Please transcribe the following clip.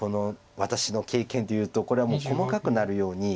私の経験で言うとこれは細かくなるように。